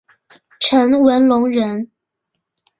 陈文龙人。